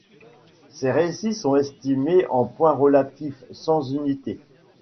Ces récits sont estimés en points relatifs, sans unité.